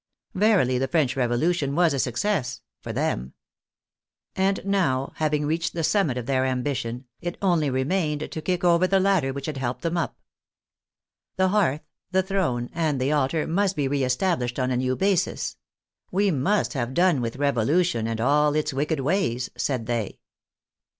Verily the French Revolution was a success — for them! And now having reached the summit of their ambition, it only remained to kick over the ladder which had helped them up. The hearth, the throne, and the altar must be re established on a new basis ; we must have done with revo lution and all its wicked ways! said they.